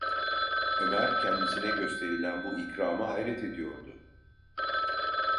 Ömer kendisine gösterilen bu ikrama hayret ediyordu.